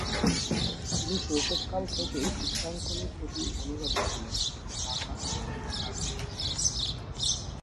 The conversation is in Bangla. তিনি শৈশবকাল থেকেই চিত্রাঙ্কনের প্রতি অনুরাগী ছিলেন এবং বাংলা কবিতা লেখার অনুশীলন করেছিলেন।